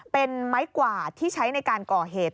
เป็นไม้กวาดที่ใช้ในการก่อเหตุ